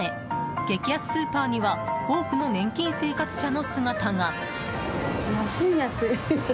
激安スーパーには多くの年金生活者の姿が。